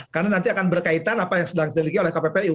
karena nanti akan berkaitan apa yang sedang terjadi oleh kppu